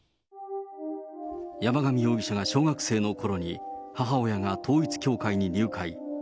山上容疑者が小学生のころに、母親が統一教会に入会。